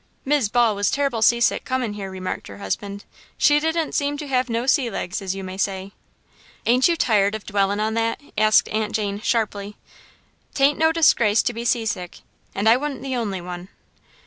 "Mis' Ball was terrible sea sick comin' here," remarked her husband. "She didn't seem to have no sea legs, as you may say." "Ain't you tired of dwellin' on that?" asked Aunt Jane, sharply. "'T ain't no disgrace to be sea sick, and I wan't the only one."